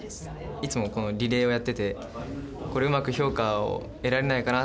いつもこのリレーをやっててこれうまく評価を得られないかなって思って。